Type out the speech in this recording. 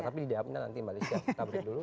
tapi tidak nanti mbak lista kita beritahu dulu